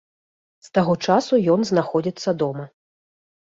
З таго часу ён знаходзіцца дома.